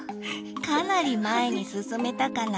かなり前に進めたかな？